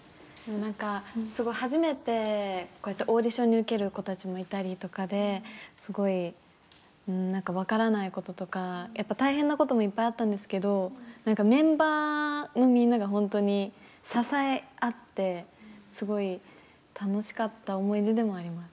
すごい初めてこうやってオーディション受ける子たちもいたりとかですごい何か分からないこととかやっぱ大変なこともいっぱいあったんですけど何かメンバーのみんながほんとに支え合ってすごい楽しかった思い出でもあります。